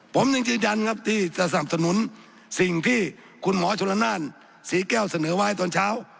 ผมยังยืนยันครับที่จะสนับสนุนสิ่งที่คุณหมอชนละนานศรีแก้วเสนอไว้ตอนเช้า